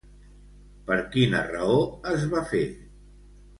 Per quina raó es va fer?